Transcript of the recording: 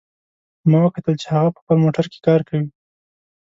ما وکتل چې هغه په خپل موټر کې کار کوي